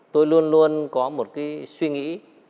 tôi luôn luôn có một cái suy nghĩ